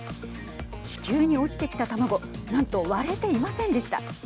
地球に落ちてきた卵なんと割れていませんでした。